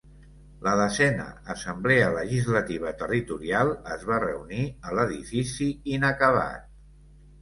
La Desena Assemblea Legislativa Territorial es va reunir a l'edifici inacabat.